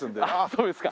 そうですか。